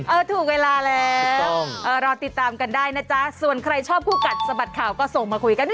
ถูกเวลาแล้วรอติดตามกันได้นะจ๊ะส่วนใครชอบคู่กัดสะบัดข่าวก็ส่งมาคุยกันเถ